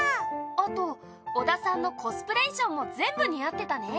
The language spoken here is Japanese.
あと、小田さんのコスプレ衣装も全部似合ってたね。